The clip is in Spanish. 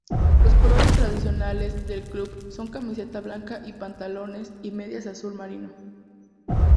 Los colores tradicionales del club son camiseta blanca y pantalones y medias azul marino.